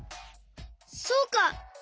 そうか！